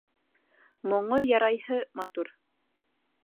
Моңо ярайһы матур